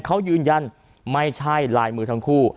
เขายืนยันไม่ใช่ลายมือทั้งคู่